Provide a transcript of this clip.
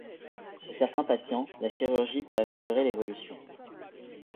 Chez certains patients, la chirurgie peut améliorer l'évolution.